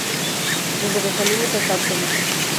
Desde Benjamines hasta Absoluto.